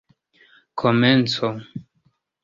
komenco